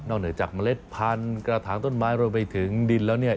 เหนือจากเมล็ดพันธุ์กระถางต้นไม้รวมไปถึงดินแล้วเนี่ย